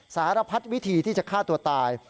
สารพัดวิธีที่จะฆ่าตัวตาย